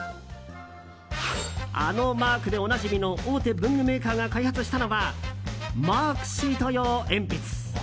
あのマークでおなじみの大手文具メーカーが開発したのはマークシート用鉛筆。